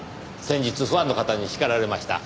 先日ファンの方に叱られました。